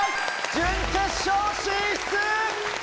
準決勝進出！